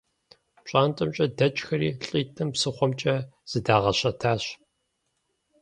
ПщӀантӀэмкӀэ дэкӀхэри лӀитӀым псыхъуэмкӀэ зыдагъэщэтащ.